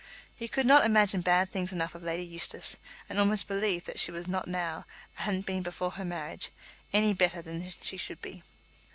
He could not imagine bad things enough of Lady Eustace, and almost believed that she was not now, and hadn't been before her marriage, any better than she should be.